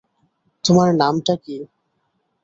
তোমার নামটা কী?